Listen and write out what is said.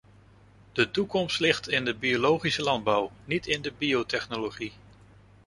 De toekomst ligt in de biologische landbouw, niet in de biotechnologie.